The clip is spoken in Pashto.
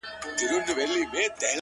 • پېژندل یې کورنیو له عمرونو,